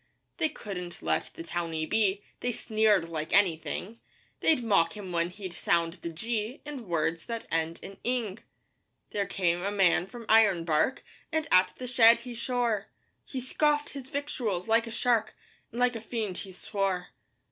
They couldn't let the towny be They sneered like anything; They'd mock him when he'd sound the 'g' In words that end in 'ing.' There came a man from Ironbark, And at the shed he shore; He scoffed his victuals like a shark, And like a fiend he swore.